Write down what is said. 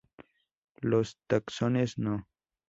Los taxones no.